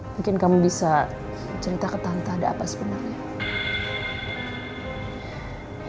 mungkin kamu bisa cerita ke tante ada apa sebenarnya